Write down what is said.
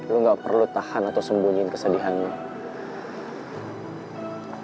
lo gak perlu tahan atau sembunyiin kesedihan lo